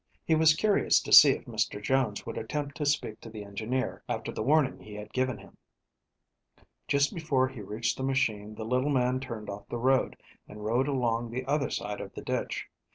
He was curious to see if Mr. Jones would attempt to speak to the engineer after the warning he had given him. Just before he reached the machine the little man turned off the road and rode along the other side of the ditch.